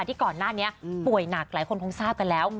ที่ก่อนหน้านี้ป่วยหนักหลายคนคงทราบกันแล้ว